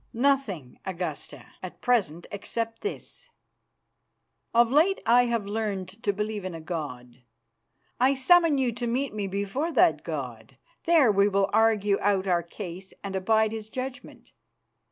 "Nothing, Augusta, at present, except this. Of late I have learned to believe in a God. I summon you to meet me before that God. There we will argue out our case and abide His judgment.